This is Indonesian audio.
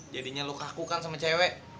jadinya lo kaku kan sama cewek